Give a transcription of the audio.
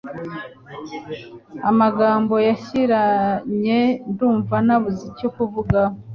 amagambo yashiranye ndumva nabuze icyo kuvuga